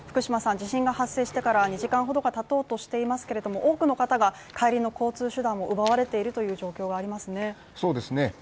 地震が発生してから２時間ほどが経とうとしていますけれども多くの方が帰りの交通手段を奪われているという状況がありますね。